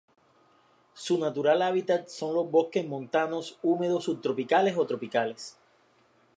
Su natural hábitat son los bosques montanos húmedos subtropicales o tropicales.